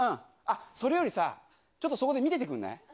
それよりさ、ちょっとそこで見ててくんない？